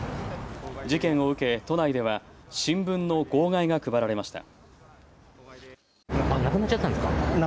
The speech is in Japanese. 事件を受け、都内では新聞の号外が配られました。